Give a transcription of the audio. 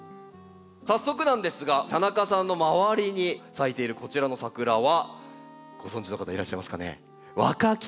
早速なんですが田中さんの周りに咲いているこちらのサクラはご存じの方いらっしゃいますかね？